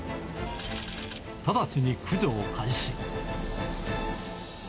直ちに駆除を開始。